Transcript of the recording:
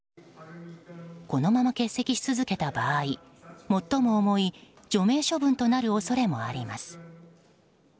このまま欠席し続けた場合最も重い除名処分となる恐れもあります。